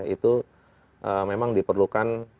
itu memang diperlukan